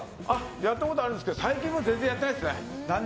やったことあるんですけど何年ぐらいやってないんですか。